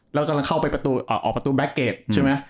เราจะออกประตูแบล็คเกกซ์ใช่ไหม